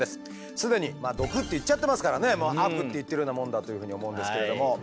既に「毒」って言っちゃってますからね「悪」って言ってるようなもんだというふうに思うんですけれども。